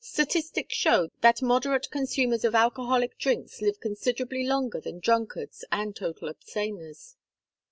Statistics show that moderate consumers of alcoholic drinks live considerably longer than drunkards and total abstainers."